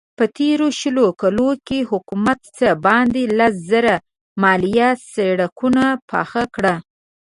په تېرو شلو کالو کې حکومت څه باندې لس زره مايله سړکونه پاخه کړل.